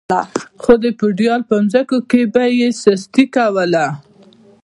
خو د فیوډال په ځمکو کې به یې سستي کوله.